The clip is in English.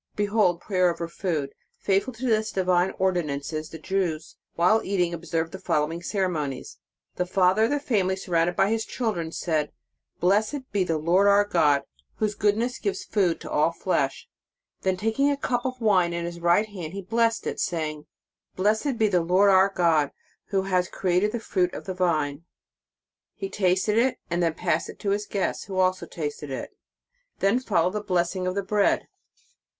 "* Behold prayer over food. Faithful to this divine ordinance, the Jews, while eating, observed the following ceremonies. The father of the family, surrounded by his chil dren, said: "Blessed be the Lord our God, whose * Deut. viii. 10. In the Nineteenth Century. 245 goodness gives food to all flesh." Then taking a cup of wine in his right hand, he blessed it, saying: " Blessed be the Lord our God, who has created the fruit of the vine." He first tasted it, and then passed it to his guests, who also tasted it. Then followed the blessing of the bread.